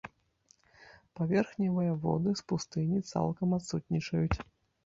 Паверхневыя воды з пустыні цалкам адсутнічаюць.